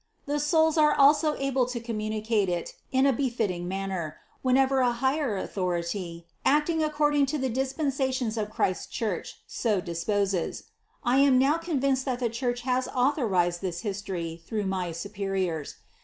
The souls are also able to communicate it in a befitting manner, whenever a higher authority acting according to the dis pensations of Christ's Church so disposes. I am now convinced that the Church has authorized this history through my superiors.